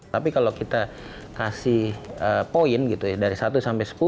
tapi kalau kita kasih poin dari satu sampai sepuluh